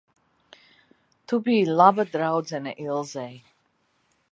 Tu biji laba draudzene Ilzei.